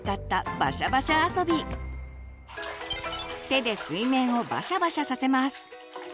手で水面をバシャバシャさせます。